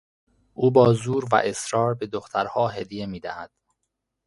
او با زور و اصرار به دخترها هدیه میدهد.